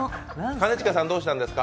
兼近さん、どうしたんですか？